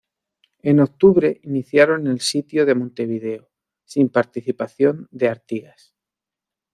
En octubre iniciaron el sitio de Montevideo sin participación de Artigas.